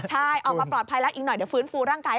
ใช่ออกมาปลอดภัยแล้วอีกหน่อยเดี๋ยวฟื้นฟูร่างกาย